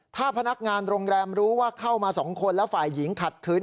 ถ้าพนักงานโรงแรมรู้ว่าเข้ามา๒คนแล้วฝ่ายหญิงขัดขืน